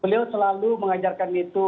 beliau selalu mengajarkan itu